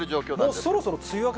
もうそろそろ、梅雨明け